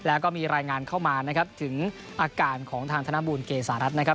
แล้วก็มีรายงานเข้ามานะครับถึงอาการของทางธนบูลเกษารัฐนะครับ